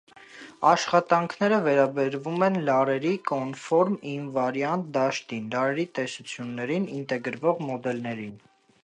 Աշխատանքները վերաբերում են լարերի կոնֆորմ ինվարիանտ դաշտին, լարերի տեսություններին, ինտեգրվող մոդելներին։